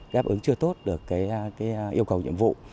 đáp ứng chưa tốt được yêu cầu nhiệm vụ